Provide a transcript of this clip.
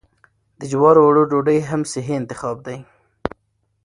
د جوارو اوړو ډوډۍ هم صحي انتخاب دی.